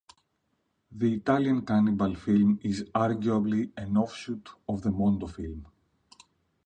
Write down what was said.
The Italian cannibal film is arguably an offshoot of the mondo film.